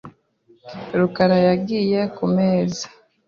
rukara yagiye ku meza .